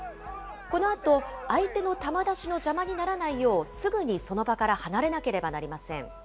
このあと、相手の球出しの邪魔にならないよう、すぐにその場から離れなければなりません。